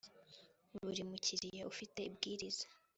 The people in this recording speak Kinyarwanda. buri mukiriya ufite ibwiriza